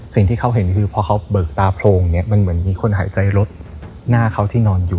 สิ่งที่เขาเห็นคือพอเขาเบิกตาโพรงเนี่ยมันเหมือนมีคนหายใจรถหน้าเขาที่นอนอยู่